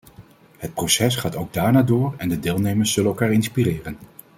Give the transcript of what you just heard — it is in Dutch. Het proces gaat ook daarna door en de deelnemers zullen elkaar inspireren.